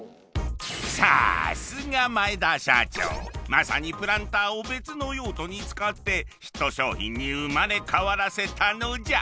まさにプランターを別の用途に使ってヒット商品に生まれ変わらせたのじゃ。